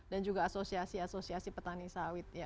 dan juga asosiasi asosiasi petani sawit